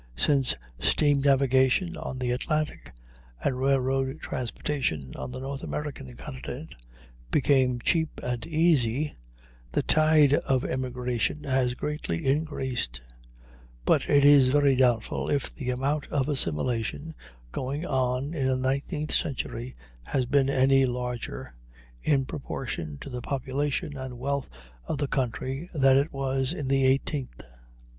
Since steam navigation on the Atlantic and railroad transportation on the North American continent became cheap and easy, the tide of immigration has greatly increased; but it is very doubtful if the amount of assimilation going on in the nineteenth century has been any larger, in proportion to the population and wealth of the country, than it was in the eighteenth.